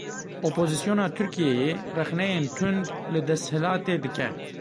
Opozîsyona Tirkiyeyê rexneyên tund li desthilatê dike.